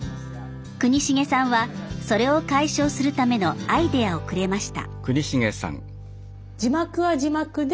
国重さんはそれを解消するためのアイデアをくれました。